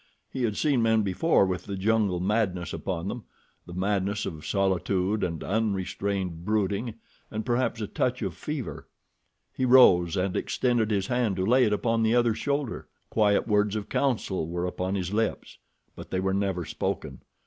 He had seen men before with the jungle madness upon them—the madness of solitude and unrestrained brooding, and perhaps a touch of fever. He rose and extended his hand to lay it upon the other's shoulder. Quiet words of counsel were upon his lips; but they were never spoken.